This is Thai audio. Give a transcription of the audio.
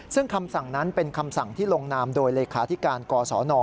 ซึ่งคำสั่งนั้นเป็นคำสั่งที่ลงนามโดยเลขาธิการกศน